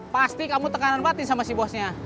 pasti kamu tekanan batin sama si bosnya